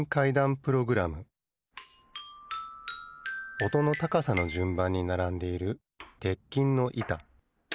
おとのたかさのじゅんばんにならんでいる鉄琴のいた。